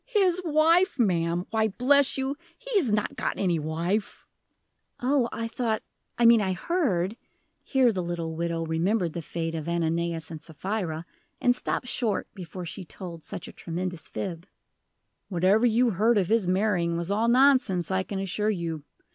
"His wife, ma'am! Why, bless you, he has not got any wife." "Oh, I thought I mean I heard" here the little widow remembered the fate of Ananias and Sapphira, and stopped short before she told such a tremendous fib. "Whatever you heard of his marrying was all nonsense, I can assure you.